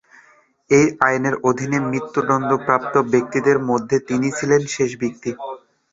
এ আইনের অধীনে মৃত্যুদণ্ডপ্রাপ্ত ব্যক্তিদের মধ্যে তিনিই ছিলেন শেষ ব্যক্তি।